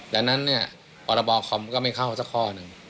ดังนั้นเนี่ยพรบคอมก็ไม่เข้าสักข้อหนึ่ง